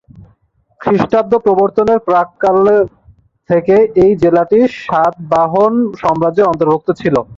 খ্রিস্টাব্দ প্রবর্তনের প্রাক্কালে থেকে এই জেলাটি সাতবাহন সাম্রাজ্যের অন্তর্ভুক্ত ছিল।